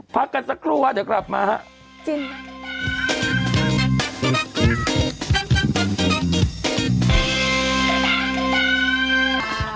พักกันสักครู่ว่าเดี๋ยวกลับมาฮะ